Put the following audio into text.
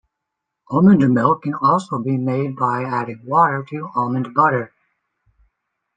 Almond milk can also be made by adding water to almond butter.